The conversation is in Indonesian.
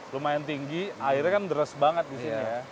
lumayan tinggi airnya kan deras banget di sini ya